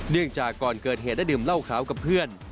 จากก่อนเกิดเหตุได้ดื่มเหล้าขาวกับเพื่อน